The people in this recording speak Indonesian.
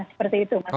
seperti itu mas